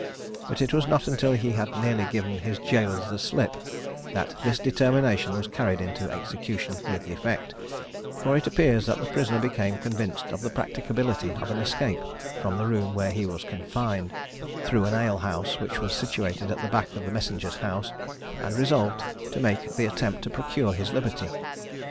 But it was not until he had nearly given his jailers the slip, that this determination was carried into execution with effect; for it appears that the prisoner became convinced of the practicability of an escape from the room where he was confined, through an ale house, which was situated at the back of the messenger's house, and resolved to make the attempt to procure his liberty.